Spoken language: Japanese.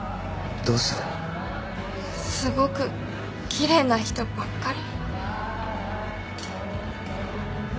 すごく奇麗な人ばっかり。